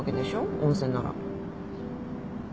温泉なら